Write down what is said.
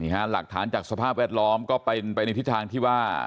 หลักฐานจากสภาพแวดล้อมก็เป็นไปในทิศทางที่ว่า